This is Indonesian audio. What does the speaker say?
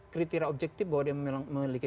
kriteria objektif bahwa dia memiliki